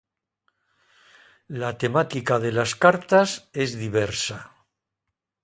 La temática de las cartas es diversa.